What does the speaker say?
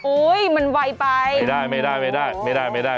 โอ้ยมันไวไปไม่ได้